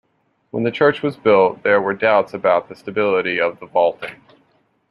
When the church was built, there were doubts about the stability of the vaulting.